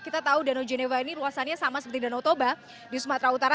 kita tahu danau geneva ini luasannya sama seperti danau toba di sumatera utara